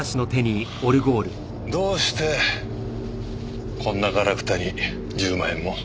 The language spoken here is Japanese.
どうしてこんなガラクタに１０万円も？